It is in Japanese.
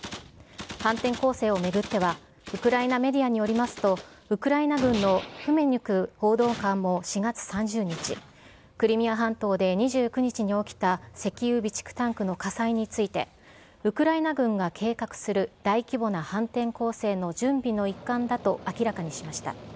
反転攻勢を巡っては、ウクライナメディアによりますと、ウクライナ軍のフメニュク報道官も４月３０日、クリミア半島で２９日に起きた、石油備蓄タンクの火災についてウクライナ軍が計画する大規模な反転攻勢の、準備の一環だと明らかにしました。